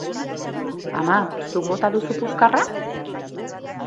Ama, zuk bota duzu puzkarra?